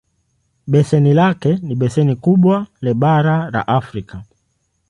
Beseni lake ni beseni kubwa le bara la Afrika.